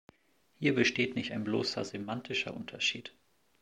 Hier besteht nicht ein bloßer semantischer Unterschied.